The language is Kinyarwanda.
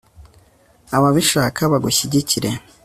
ababishaka bagushyigikire